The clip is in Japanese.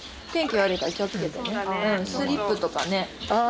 スリップとかね。